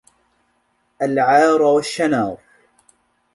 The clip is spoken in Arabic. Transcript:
الْعَارَ وَالشَّنَارَ